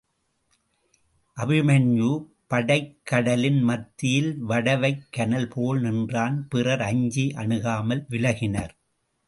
அபிமன்யு படைக்கடலின் மத்தியில் வடவைக் கனல் போல் நின்றான் பிறர் அஞ்சி அணுகாமல் விலகினர்.